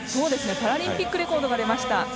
パラリンピックレコードが出ました。